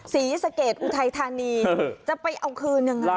ศรีสะเกดอุทัยธานีจะไปเอาคืนยังไง